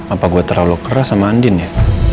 apa gue terlalu keras sama andin ya